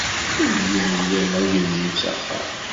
Ur d-yerri ara agelzim s axxam.